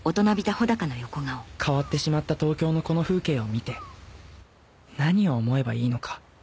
変わってしまった東京のこの風景を見て何を思えばいいのか